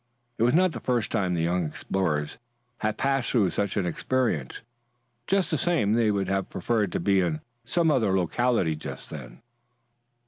It was not the first time the young explorers had passed through such an experience. Just the same they would have preferred to be in some other locality just then.